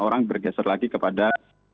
orang bergeser lagi kepada